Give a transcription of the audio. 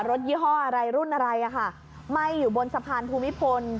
ยี่ห้ออะไรรุ่นอะไรอ่ะค่ะไหม้อยู่บนสะพานภูมิพล